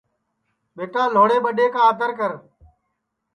ٻیٹا لھوڑے ٻڈؔے آدر کر